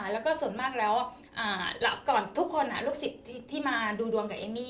แล้วก็ส่วนมากแล้วก่อนทุกคนลูกศิษย์ที่มาดูดวงกับเอมมี่